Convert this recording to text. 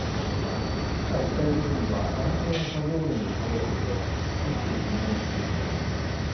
地下１階部分には男性の作業員が倒れていて意識不明の重体です。